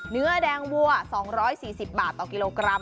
เนื้อแดงวัว๒๔๐บาทต่อกิโลกรัม